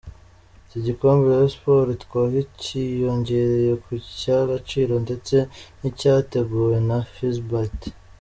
Iki gikombe Rayon sports itwaye cyiyongereye ku cy’agaciro ndetse n’icyateguwe na Fezabet.